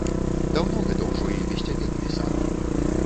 Даўно гэта ўжо і без цябе напісана.